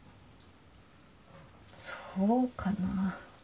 そうかな。